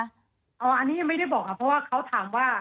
อันนี้ยังไม่ได้บอกค่ะเพราะว่าเขาถามว่า